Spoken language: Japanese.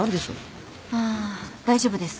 ああ大丈夫です。